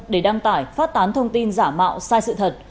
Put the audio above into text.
để đăng tải phát tán thông tin giả mạo sai sự thật